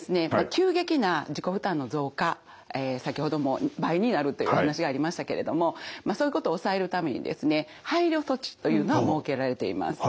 急激な自己負担の増加先ほども倍になるというお話がありましたけれどもそういうことを抑えるためにですね配慮措置というのが設けられています。